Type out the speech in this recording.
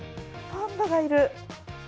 パンダがいる！